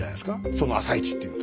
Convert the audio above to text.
その朝市って言うと。